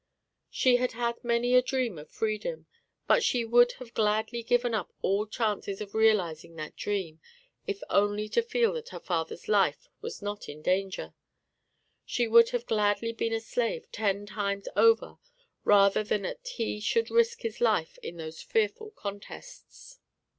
She had had many a dream of freedom, but she would have gladly given up all chances of realizing that dream, if only to feel that her father's life was not in danger. She would have gladly been a slave ten times over rather than that he should risk his life in those fearful contests.